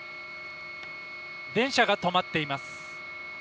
電車が止まっています。